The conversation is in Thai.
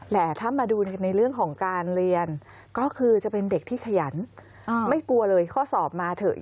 ถ้ามาดูในเรื่องของการเรียนก็คือจะเป็นเด็กที่ขยันไม่กลัวเลยข้อสอบมาเถอะ